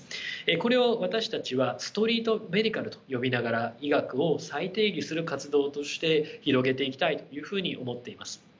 これを私たちはストリート・メディカルと呼びながら医学を再定義する活動として広げていきたいというふうに思っています。